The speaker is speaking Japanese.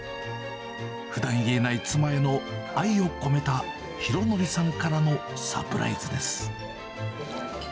ふだん言えない妻への愛を込めた、浩敬さんからのサプライズです。